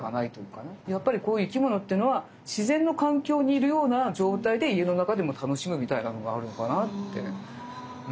やっぱり生き物っていうのは自然の環境にいるような状態で家の中でも楽しむみたいなのがあるのかなって。